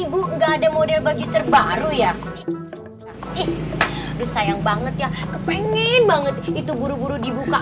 ibu enggak ada model baju terbaru ya ih sayang banget ya kepingin banget itu buru buru dibuka